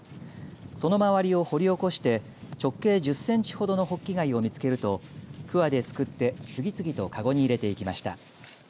その周りを掘り起こして直径１０センチほどのホッキ貝を見つけるとくわですくって次々とかごに入れていきました。